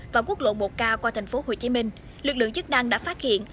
và quốc lộ một k qua thành phố hồ chí minh lực lượng chức năng đã phát hiện